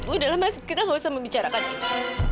udah lah mas kita gak usah membicarakan ini